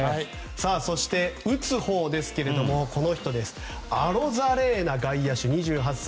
そして打つほうですがアロザレーナ外野手、２８歳。